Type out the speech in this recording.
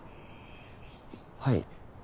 はい。